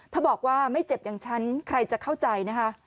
ถ้าบอกว่าไม่เจ็บอย่างฉันใครจะเข้าใจนะคะ